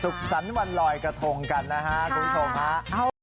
สุขสันต์วันรอยกระทงกันนะครับคุณผู้ชมครับ